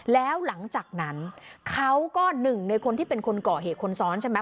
แล้วหลังจากนั้นเขาก็หนึ่งในคนที่เป็นคนก่อเหตุคนซ้อนใช่ไหม